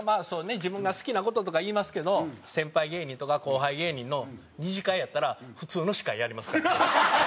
自分が好きな事とか言いますけど先輩芸人とか後輩芸人の二次会やったらハハハハ！